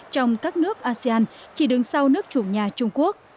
trong các nước asean chỉ đứng sau nước chủ nhà trung quốc